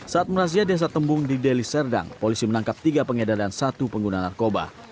saat merazia desa tembung di deliserdang polisi menangkap tiga pengedaran dan satu pengguna narkoba